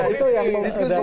itu yang kemudian